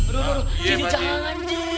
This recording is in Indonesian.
aduh aduh jadi jangan ji